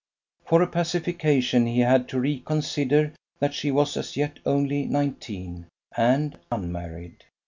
For a pacification he had to reconsider that she was as yet only nineteen and unmarried.